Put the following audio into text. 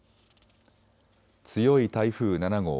強い台風７号。